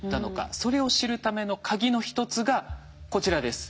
それを知るためのカギの一つがこちらです。